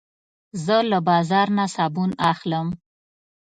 زه له بازار نه صابون اخلم.